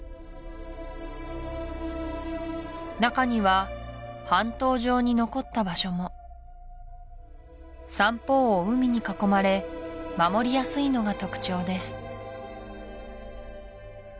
中には半島状に残った場所も三方を海に囲まれ守りやすいのが特徴です